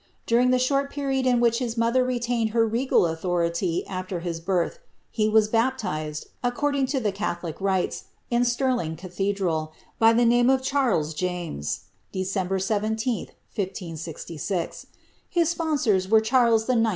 During the short period in which his mother retained her regal authority after his birth, he was baptized, according to the eetholic rites, in Stirling Gathednd, by the name of Charles James, December 17, 1M6. His sponsors were Charles IX.